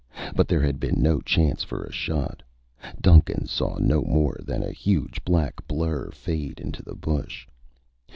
But there had been no chance for a shot. Duncan saw no more than a huge black blur fade into the bush.